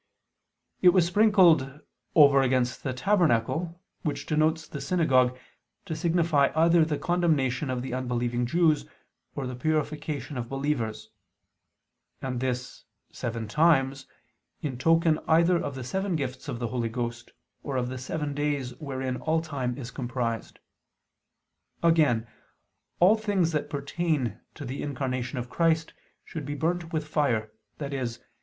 It was sprinkled "over against ... the tabernacle," which denotes the synagogue, to signify either the condemnation of the unbelieving Jews, or the purification of believers; and this "seven times," in token either of the seven gifts of the Holy Ghost, or of the seven days wherein all time is comprised. Again, all things that pertain to the Incarnation of Christ should be burnt with fire, i.e.